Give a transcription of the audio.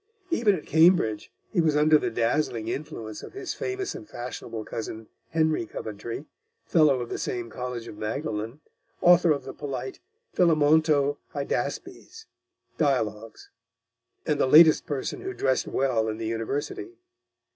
Even at Cambridge, he was under the dazzling influence of his famous and fashionable cousin, Henry Coventry, fellow of the same college of Magdalen, author of the polite Philémonto Hydaspes dialogues, and the latest person who dressed well in the University.